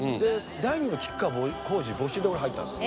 第２の吉川晃司募集で俺入ったんです。